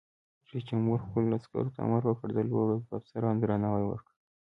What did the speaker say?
رئیس جمهور خپلو عسکرو ته امر وکړ؛ د لوړ رتبه افسرانو درناوی وکړئ!